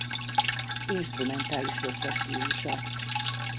Instrumentális rock a stílusa.